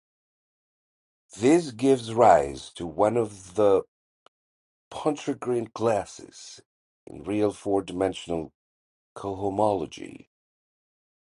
This gives rise to one of the Pontryagin classes, in real four-dimensional cohomology.